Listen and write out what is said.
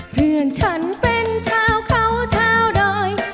เพื่อนฉันเป็นชาวเขาชาวดอย